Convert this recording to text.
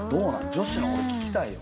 女子の俺聞きたいよ